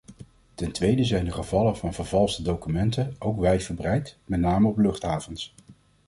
Ten tweede zijn de gevallen van vervalste documenten ook wijdverbreid, met name op luchthavens.